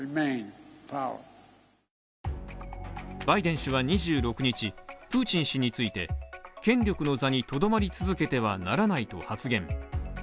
バイデン氏は２６日、プーチン氏について権力の座にとどまり続けてはならないと発言。